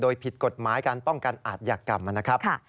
โดยผิดกฎหมายการป้องกันอาทยากรรมนะครับ